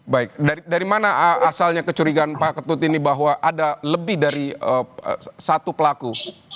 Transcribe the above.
baik dari mana asalnya kecurigaan pak ketut ini bahwa ada lebih dari satu pelaku